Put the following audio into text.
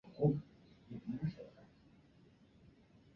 克鲁奇菲氏花粉发现在德国萨克森。